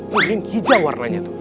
mungkin hijau warnanya tuh